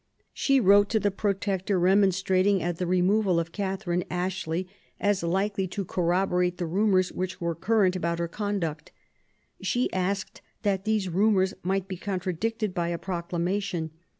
She wrote to the Protector, remonstrating at the removal of Catherine Ashley as likely to corroborate the rumours which were current about her conduct. She asked that these rumours might be contradicted by a proclamation.